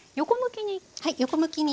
横向きに。